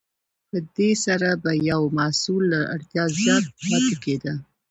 په دې سره به یو محصول له اړتیا زیات پاتې کیده.